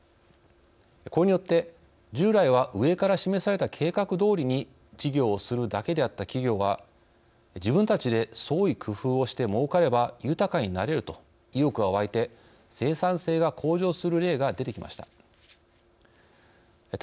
これによって、従来は上から示された計画どおりに事業をするだけであった企業は「自分たちで創意工夫をしてもうかれば豊かになれる」と意欲が湧いて生産性が向上する例が出てきました。